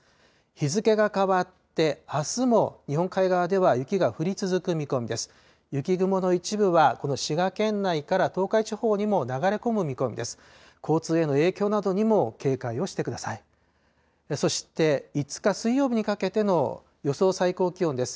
日付が変わって、あすも日本海側では雪が降り続く見込みです。